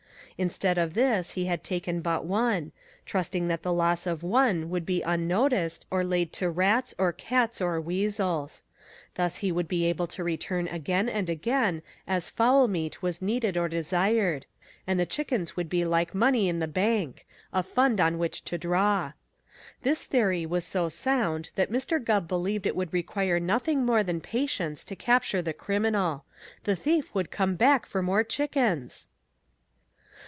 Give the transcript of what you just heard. Instead of this he had taken but one, trusting that the loss of one would be unnoticed or laid to rats or cats or weasels. Thus he would be able to return again and again as fowl meat was needed or desired, and the chickens would be like money in the bank a fund on which to draw. This theory was so sound that Mr. Gubb believed it would require nothing more than patience to capture the criminal. The thief would come back for more chickens!